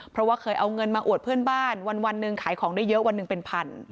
เพราะว่าเคยเอาเงินมาอวดเพื่อนบ้านวันหนึ่งขายของได้เยอะวันหนึ่งเป็นพัน